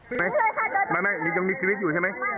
วันแล้วทำไมไม่ได้อยู่